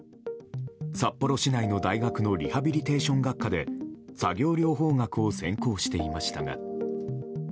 札幌市内の大学のリハビリテーション学科で作業療法学を専攻していましたが。